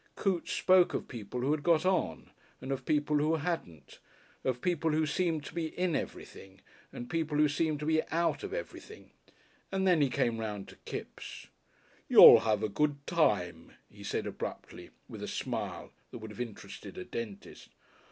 Coote spoke of people who had got on, and of people who hadn't, of people who seemed to be in everything and people who seemed to be out of everything, and then he came round to Kipps. "You'll have a good time," he said abruptly, with a smile that would have interested a dentist.